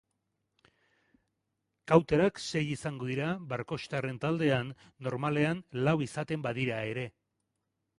Kauterak sei izango dira barkoxtarren taldean, normalean lau izaten badira ere.